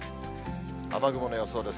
雨雲の予想です。